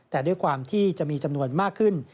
แต่ด้วยความที่จะมีจำนวนมากขึ้น